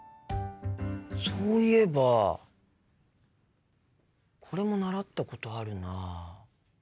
そういえばこれも習ったことあるな。